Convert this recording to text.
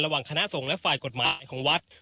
ระหว่างคณะสงฆ์และฝ่ายกฎหมายของวัด